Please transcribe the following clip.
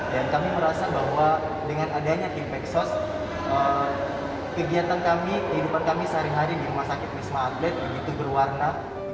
dan kami merasa bahwa dengan adanya team peksos kegiatan kami kehidupan kami sehari hari di rumah sakit misma atlet begitu berwarna